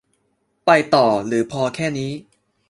ไปต่อหรือพอแค่นี้